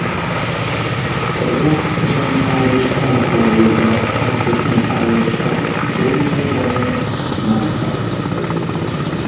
It elects a joint parish council with the adjacent parish of Winterbourne Monkton.